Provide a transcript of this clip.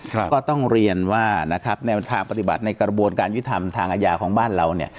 ก็ต้องเรียนว่านะครับแนวทางปฏิบัติในกระบวนการยุทธรรมทางอาญาของบ้านเราเนี่ย